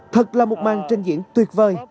thật là một màn trình diễn tuyệt vời